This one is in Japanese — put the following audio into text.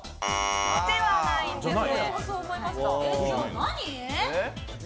ではないんですね。